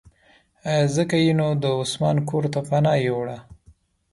ځکه یې نو د عثمان کورته پناه یووړه.